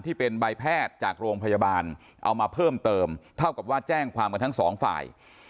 ที่เป็นใบแพทย์จากโรงพยาบาลเอามาเพิ่มเติมเท่ากับว่าแจ้งความกันทั้งสองฝ่าย